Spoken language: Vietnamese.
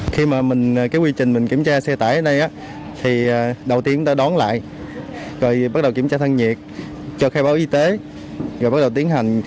khi mà mình cái quy trình mình kiểm tra xe tải ở đây thì đầu tiên chúng ta đón lại rồi bắt đầu kiểm tra thân nhiệt cho khai báo y tế rồi bắt đầu tiến hành